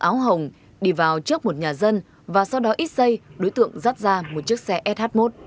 đối tượng áo hồng đi vào trước một nhà dân và sau đó ít xây đối tượng dắt ra một chiếc xe sh một